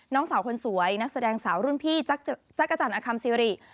น้องสาวคนสวยนักแสดงสาวรุ่นพี่จักรจันทร์อคัมซิริ